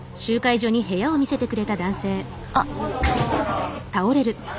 あっ！